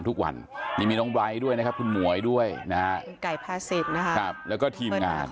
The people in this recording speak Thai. ทุกวันนี้มีน้องไบร์ทด้วยนะครับคุณหมวยด้วยนะฮะคุณไก่พาศิษย์นะครับแล้วก็ทีมงาน